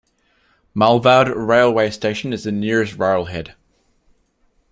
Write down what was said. Mulvad Railway Station is the nearest railhead.